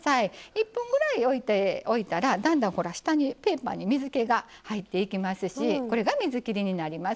１分くらい置いておいたらだんだん下のペーパーに水けが入っていきますし水切りになります。